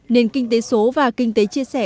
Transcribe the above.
nền kinh tế số và kinh tế chia sẻ